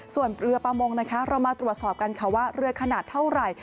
ส่วนเรือประมงนะคะเรามาตรวจสอบกันค่ะว่าเรือขนาดเท่าไหร่